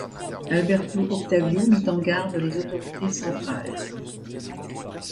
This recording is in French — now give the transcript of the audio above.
Alberto Octavio mit en garde les autorités centrales.